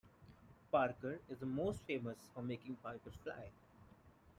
Parker is most famous for making the Parker Fly.